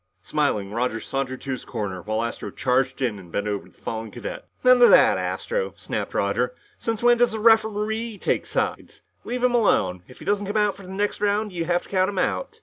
Smiling, Roger sauntered to his corner while Astro charged in and bent over the fallen cadet. "None of that, Astro!" snapped Roger. "Since when does a referee take sides? Leave him alone! If he doesn't come out for the next round, you have to count him out!"